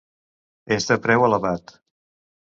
És de preu elevat.